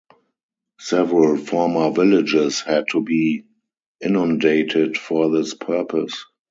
Several former villages had to be inundated for this purpose.